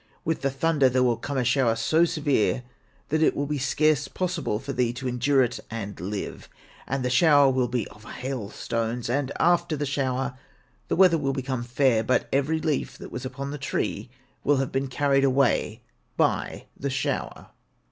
With the thunder there will come a shower so severe that it will be scarce possible for thee to endure it and live. And the shower will be of hailstones; and after the shower the weather will become fair, but every leaf that was upon the tree will have been carried away by the shower.'